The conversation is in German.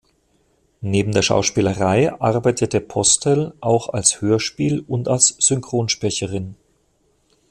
Neben der Schauspielerei arbeitete Postel auch als Hörspiel- und als Synchronsprecherin.